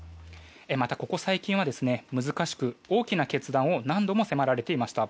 また、ここ最近は難しく大きな決断を何度も迫られていました。